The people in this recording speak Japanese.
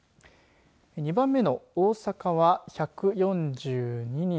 ２番目の大阪は１４２人。